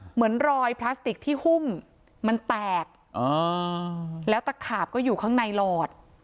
เหมือนรอยพลาสติกที่หุ้มมันแตกแล้วตะขาบก็อยู่ข้างในหลอด